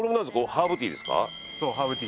ハーブティーですね。